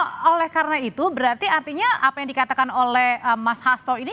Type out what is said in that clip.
nah oleh karena itu berarti artinya apa yang dikatakan oleh mas hasto ini